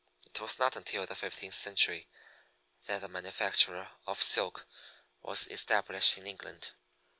It was not until the fifteenth century that the manufacture of silk was established in England.